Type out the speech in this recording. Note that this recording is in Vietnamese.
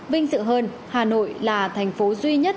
vinh sự hơn hà nội là thành phố duy nhất